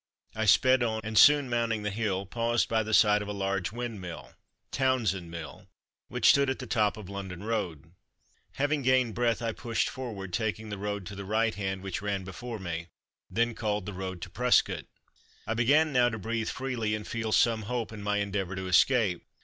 I sped on, and soon mounting the hill paused by the side of a large windmill (Townsend mill) which stood at the top of London road. Having gained breath, I pushed forward, taking the road to the right hand which ran before me (then called the road to Prescot). I began now to breathe freely and feel some hope in my endeavour to escape.